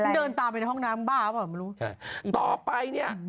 มันเดินตามไปที่ห้องน้ำบ้าวอะต่อไปเนี่ย